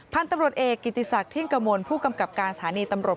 พันธุ์ตำรวจเอกกิติศักดิ่งกมลผู้กำกับการสถานีตำรวจ